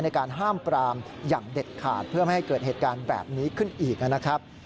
ในการห้ามปรามอย่างเด็ดขาดเพื่อไม่ให้เกิดเหตุการณ์แบบนี้ขึ้นอีกนะครับ